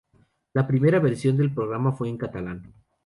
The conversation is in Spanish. La primera versión del programa fue en catalán.